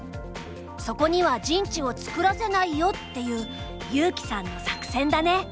そこには陣地を作らせないよっていう悠生さんの作戦だね。